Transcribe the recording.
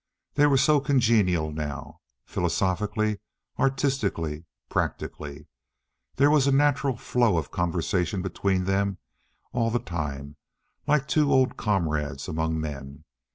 They were so congenial now, philosophically, artistically, practically. There was a natural flow of conversation between them all the time, like two old comrades among men.